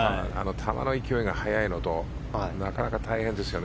球の勢いが速いのでなかなか大変ですよね。